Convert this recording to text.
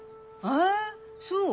あそう？